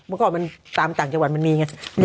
เมื่อก่อนมันตามต่างจังหวันมันมีอย่างนี้